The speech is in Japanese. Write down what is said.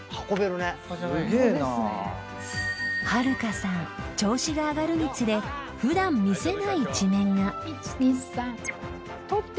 ［はるかさん調子が上がるにつれ普段見せない一面が］